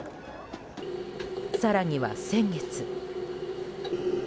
更には先月。